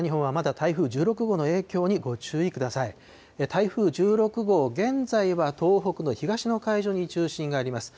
台風１６号、現在は東北の東の海上に中心があります。